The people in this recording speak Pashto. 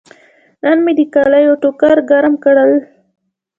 نن مې د کالي ټوکر ګرم کړل.